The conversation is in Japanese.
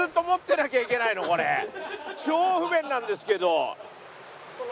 超不便なんですけど！